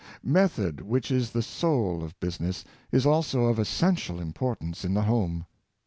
Method, which is the soul of business, is also of essen tial importance in the home.